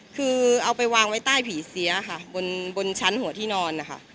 คือเอาไปวางไว้ใต้ผีเสียค่ะบนชั้นหัวที่นอนนะคะ